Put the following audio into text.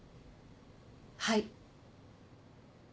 はい。